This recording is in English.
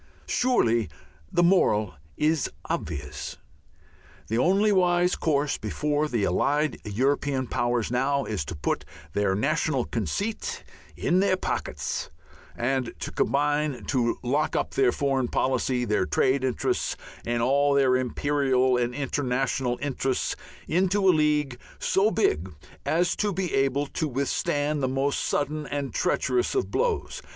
Surely the moral is obvious. The only wise course before the allied European powers now is to put their national conceit in their pockets and to combine to lock up their foreign policy, their trade interests, and all their imperial and international interests into a League so big as to be able to withstand the most sudden and treacherous of blows.